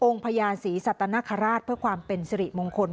พญาศรีสัตนคราชเพื่อความเป็นสิริมงคล